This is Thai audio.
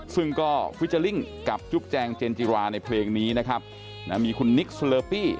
ซึ่งก็ฟิเจอร์ลิ่งกับจุ๊บแจงเจนจิราในเพลงนี้นะครับมีคุณนิกสเลอปี้